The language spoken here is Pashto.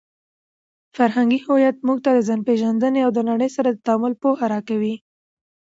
فرهنګي هویت موږ ته د ځانپېژندنې او د نړۍ سره د تعامل پوهه راکوي.